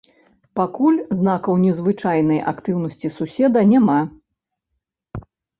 Пакуль знакаў незвычайнай актыўнасці суседа няма.